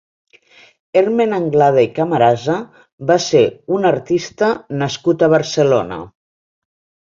Hermen Anglada i Camarasa va ser un artista nascut a Barcelona.